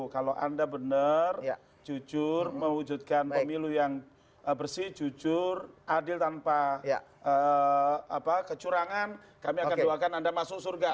kalau anda benar jujur mewujudkan pemilu yang bersih jujur adil tanpa kecurangan kami akan doakan anda masuk surga